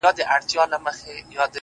چي بیا به څه ډول حالت وي- د ملنگ-